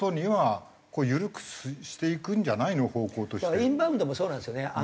インバウンドもそうなんですよね。